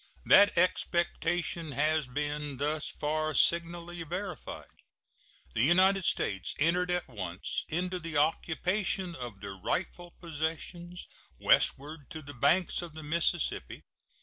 That expectation has been thus far signally verified. The United States entered at once into the occupation of their rightful possessions westward to the banks of the Mississippi.